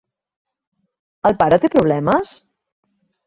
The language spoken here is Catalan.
El pare té problemes?